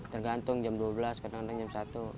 tergantung jam dua belas kadang kadang jam satu